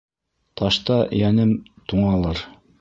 Ташта йәнем туңалыр.